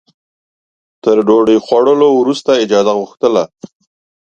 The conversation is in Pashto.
تر ډوډۍ خوړلو وروسته اجازه غوښتله.